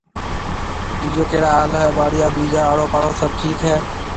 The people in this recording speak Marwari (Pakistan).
ٻِيجو ڪهڙا حال هيَ؟ ٻاݪيا ٻِيجا آڙو پاڙو ٺِيڪ ٺاڪ هيَ۔